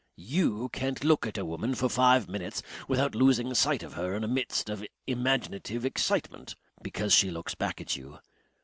YOU can't look at a woman for five minutes without losing sight of her in a mist of imaginative excitement. Because she looks back at you.